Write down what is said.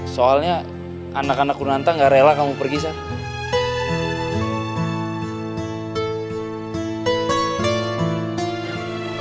soalnya anak anakku nanta gak rela kamu pergi sarah